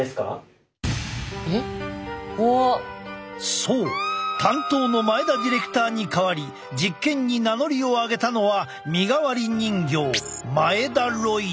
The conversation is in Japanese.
そう担当の前田ディレクターに代わり実験に名乗りを上げたのは身代わり人形マエダロイド。